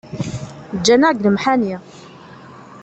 Ǧǧan-aɣ deg lemḥani